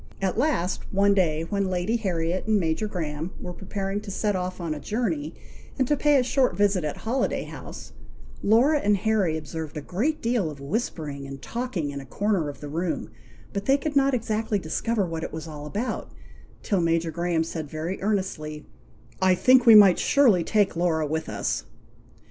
At last, one day, when Lady Harriet and Major Graham were preparing to set off on a journey, and to pay a short visit at Holiday House, Laura and Harry observed a great deal of whispering and talking in a corner of the room, but they could not exactly discover what it was all about, till Major Graham said very earnestly, "I think we might surely take Laura with us."